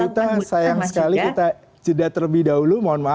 mbak brita sayang sekali kita cedat terlebih dahulu mohon maaf